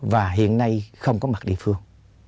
và hiện nay không có mặt địa phương